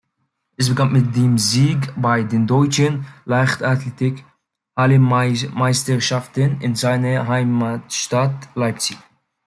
Es begann mit dem Sieg bei den Deutschen Leichtathletik-Hallenmeisterschaften in seiner Heimatstadt Leipzig.